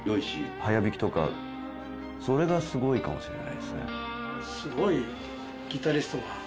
速弾きとかそれがすごいかもしれないですね。